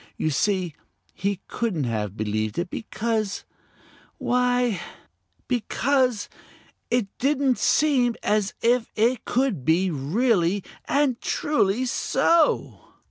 You see, he couldn't have believed it because why, because it didn't seem as if it could be really and truly so.